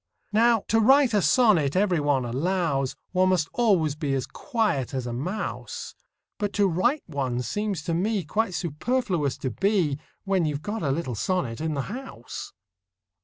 Now, to write a sonnet, every one allows, One must always be as quiet as a mouse; But to write one seems to me Quite superfluous to be, When you 've got a little sonnet in the house.